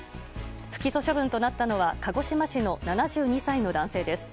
不起訴処分となったのは鹿児島市の７２歳の男性です。